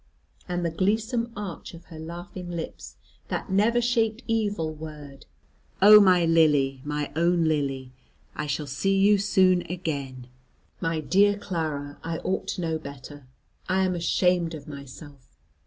And the gleesome arch of her laughing lips, that never shaped evil word! Oh, my Lily, my own Lily, I shall see you soon again. My dear Clara, I ought to know better. I am ashamed of myself.